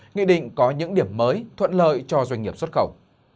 nghị định có những điểm mới thuận lợi cho doanh nghiệp xuất khẩu